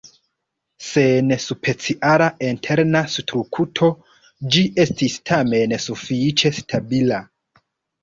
Sen speciala interna strukturo ĝi estis tamen sufiĉe stabila.